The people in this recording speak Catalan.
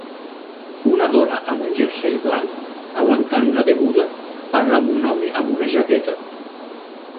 Una dona amb un jersei blanc, aguantant una beguda, parla amb un home amb una jaqueta.